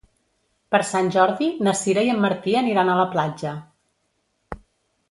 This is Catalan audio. Per Sant Jordi na Sira i en Martí aniran a la platja.